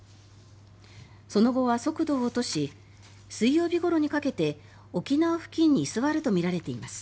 その後は速度を落とし水曜日ごろにかけて沖縄付近に居座るとみられています。